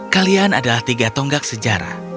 kalian adalah tiga tonggak sejarah